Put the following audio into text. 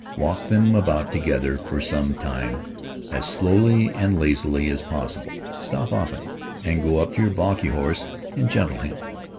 Walk them about together for some time as slowly and lazily as possible; stop often, and go up to your balky horse and gentle him.